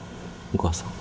お母さん。